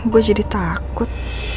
gue jadi takut